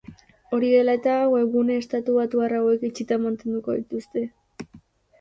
Hori dela eta, webgune estatubatuar hauek itxita mantenduko dituzte.